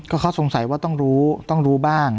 เขาสงสัยว่าต้องรู้ต้องรู้บ้าง